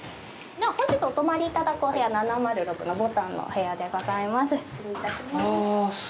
では、本日お泊まりいただくお部屋は、７０６の牡丹のお部屋でございます。